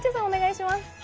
お願いします